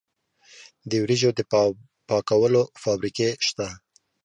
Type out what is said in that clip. د وریجو د پاکولو فابریکې شته.